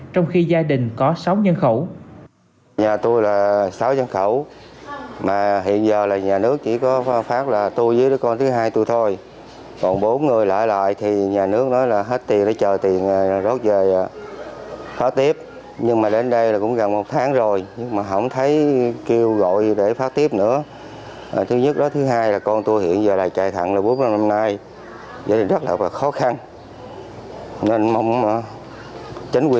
trong khi gia đình có sáu nhân khẩu